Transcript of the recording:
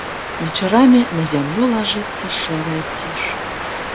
Вечарамі на зямлю лажыцца шэрая ціш.